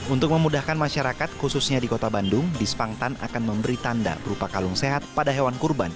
untuk memudahkan masyarakat khususnya di kota bandung dispangtan akan memberi tanda berupa kalung sehat pada hewan kurban